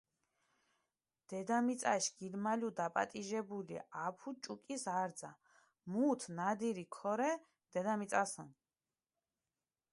დედამიწაშ გილმალუ დაპატიჟებული აფუ ჭუკის არძა, მუთ ნადირი ქორე დედამიწასჷნ.